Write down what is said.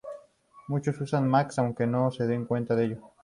Muchos usan Max, aunque no se den cuenta de ello.